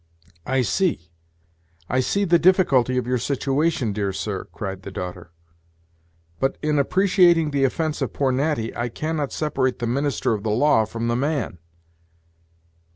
"I see I see the difficulty of your situation, dear sir," cried the daughter; "but, in appreciating the offence of poor Natty, I cannot separate the minister of the law from the man."